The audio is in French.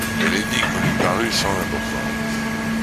Mais l’énigme lui parut sans importance.